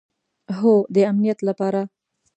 هو، د امنیت لپاره